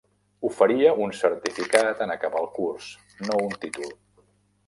Oferia un certificat en acabar el curs, no un títol.